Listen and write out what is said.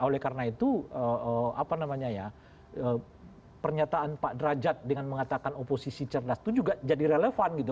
oleh karena itu apa namanya ya pernyataan pak derajat dengan mengatakan oposisi cerdas itu juga jadi relevan gitu